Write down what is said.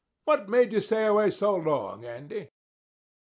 What made you stay away so long, Andy?"